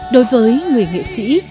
đối với người nghệ sĩ